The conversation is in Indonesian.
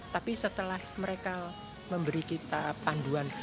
tapi setelah mereka memberi kita panduan